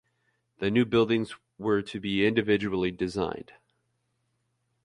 The new buildings were to be individually designed.